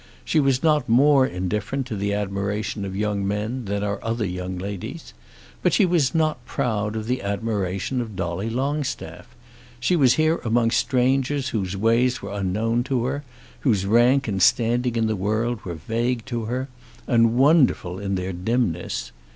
She was not more indifferent to the admiration of young men than are other young ladies. But she was not proud of the admiration of Dolly Longstaff. She was here among strangers whose ways were unknown to her, whose rank and standing in the world were vague to her, and wonderful in their dimness.